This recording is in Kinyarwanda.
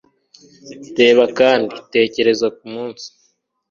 Reba kandi: tekereza kumunsi